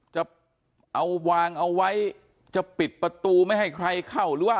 จะเอาวางเอาไว้จะปิดประตูไม่ให้ใครเข้าหรือว่า